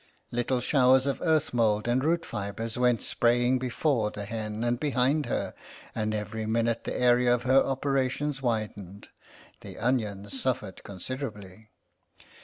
Little showers of earth mould and root fibres went spraying before the hen and behind her, and every minute the area of her operations widened. The onions suffered considerably.